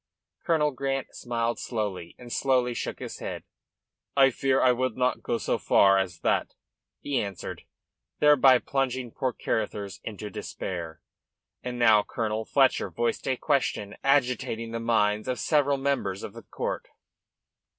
Colonel Grant smiled slowly, and slowly shook his head. "I fear I could not go so far, as that," he answered, thereby plunging poor Carruthers into despair. And now Colonel Fletcher voiced a question agitating the minds of several members of the count.